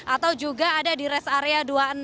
atau juga ada di rest area dua puluh enam